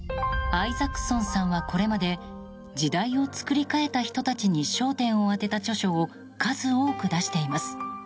アイザックソンさんはこれまで時代を創り変えた人たちに焦点を当てた著書を数多く出しています。